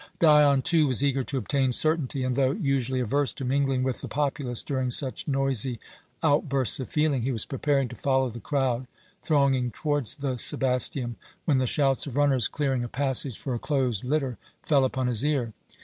Dion, too, was eager to obtain certainty, and, though usually averse to mingling with the populace during such noisy outbursts of feeling, he was preparing to follow the crowd thronging towards the Sebasteum, when the shouts of runners clearing a passage for a closed litter fell upon his ear.